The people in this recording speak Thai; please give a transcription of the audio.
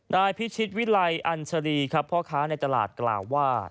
นายพิชิตวิไลอัญชรีครับพ่อค้าในตลาดกล่าวว่า